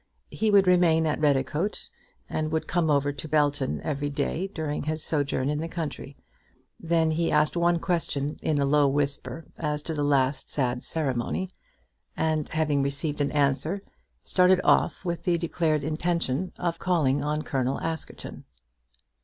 He would remain at Redicote, and would come over to Belton every day during his sojourn in the country. Then he asked one question in a low whisper as to the last sad ceremony, and, having received an answer, started off with the declared intention of calling on Colonel Askerton.